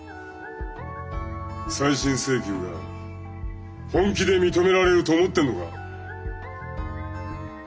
再審請求が本気で認められると思ってんのか？